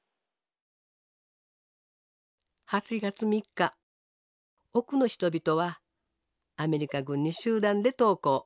８月３日奥の人々はアメリカ軍に集団で投降。